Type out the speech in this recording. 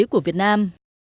của việt nam